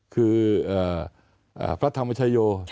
คือพระธรรมชายโย